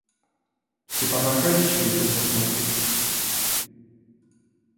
Степан Аркадьич вышел посмотреть.